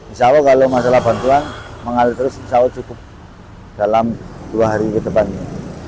insya allah kalau masalah bantuan mengalir terus insya allah cukup dalam dua hari ke depannya